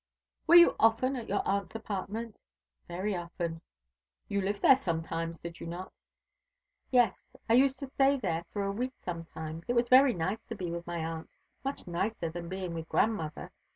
"Were you often at your aunt's apartment?" "Very often." "You lived there sometimes, did you not?" "Yes, I used to stay there for a week sometimes. It was very nice to be with my aunt, much nicer than being with grandmother.